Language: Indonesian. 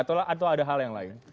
atau ada hal yang lain